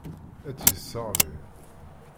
Ad tt-yesseɣli.